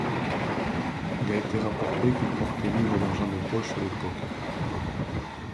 Il a été rapporté qu'il portait livres d'argent de poche à l'époque.